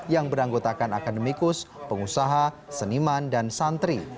yang beranggotakan akademikus pengusaha seniman dan santri